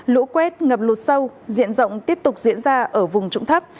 lũ quét ngập lụt sâu diện rộng tiếp tục diễn ra ở vùng trụng thấp